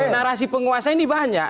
narasi penguasa ini banyak